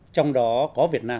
trong đó có việt nam